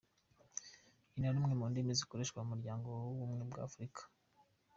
"Ni na rumwe mu ndimi zikoreshwa mu muryango w'Ubumwe bw'Afurika.